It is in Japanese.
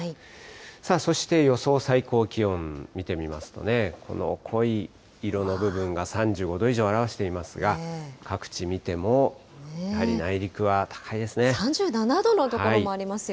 さあ、そして予想最高気温見てみますとね、この濃い色の部分が３５度以上を表していますが、各地３７度の所もありますよ。